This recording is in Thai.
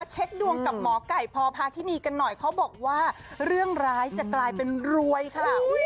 เช็คดวงกับหมอไก่พพาธินีกันหน่อยเขาบอกว่าเรื่องร้ายจะกลายเป็นรวยค่ะ